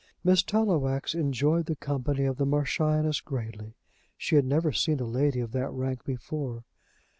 Miss Tallowax enjoyed the company of the Marchioness greatly. She had never seen a lady of that rank before.